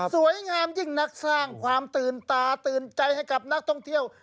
สวยงามยิ่งนักสร้างความตื่นตาตื่นใจให้กับนักท่องเที่ยว